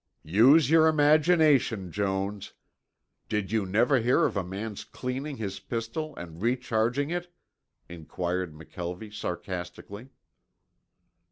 "Use your imagination, Jones. Did you never hear of a man's cleaning his pistol and recharging it?" inquired McKelvie sarcastically.